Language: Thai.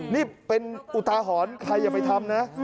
นี่เป็นอุทาหรณ์ใครอย่าไปทำนะ